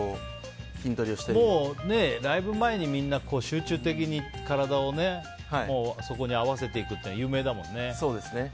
だいぶ前にライブ前に集中的に体をそこに合わせていくというのは有名だもんね。